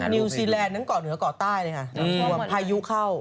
นิวซีแลนด์นั้นก่อนเหนือก่อใต้พายุเข้า